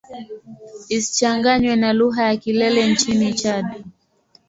Isichanganywe na lugha ya Kilele nchini Chad.